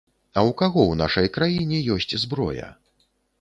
А ў каго ў нашай краіне ёсць зброя?